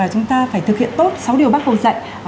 chúng ta phải thực hiện tốt sáu điều bác hồ dạy